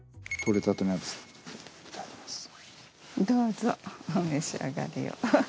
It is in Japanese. どうぞお召し上がりを。